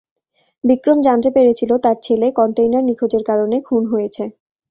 বিক্রম জানতে পেরেছিল তার ছেলে কন্টেইনার নিখোঁজের কারণে খুন হয়েছে।